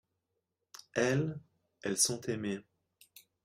elles, elles sont aimées.